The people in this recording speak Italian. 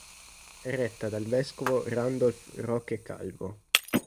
È retta dal vescovo Randolph Roque Calvo.